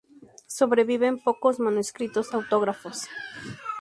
Sobreviven pocos manuscritos autógrafos.